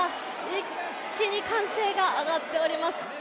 一気に歓声が上がっております。